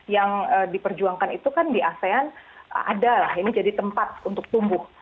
yang diperjuangkan itu kan di asean adalah tempat untuk tumbuh